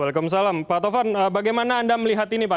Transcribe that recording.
waalaikumsalam pak tovan bagaimana anda melihat ini pak